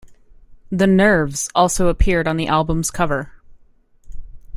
The Nerves also appeared on the album's cover.